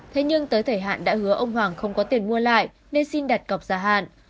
thế nhưng tới thời hạn đã hứa ông hoàng không có tiền mua lại nên xin đặt cọc gia hạn